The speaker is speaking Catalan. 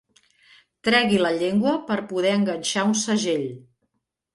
Tregui la llengua per poder enganxar un segell.